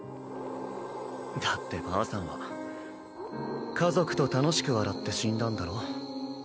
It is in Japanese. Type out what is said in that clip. だってばあさんは家族と楽しく笑って死んだんだろ。